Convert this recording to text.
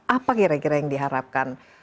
apa kira kira yang diharapkan